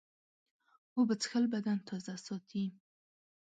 اوبه څښل بدن تازه ساتي.